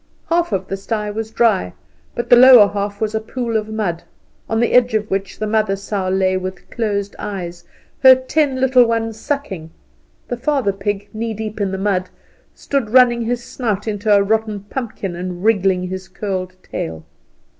Half of the sty was dry, but the lower half was a pool of mud, on the edge of which the mother sow lay with closed eyes, her ten little ones sucking; the father pig, knee deep in the mud, stood running his snout into a rotten pumpkin and wriggling his curled tail.